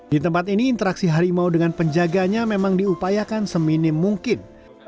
di tempat ini interaksi harimau dengan penjaganya memang diupayakan seminim mungkin